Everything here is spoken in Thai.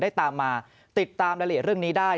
ได้ตามมาติดตามเล่าเรียนเรื่องนี้ได้